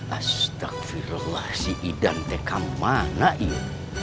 astagfirullah si idante kamana ini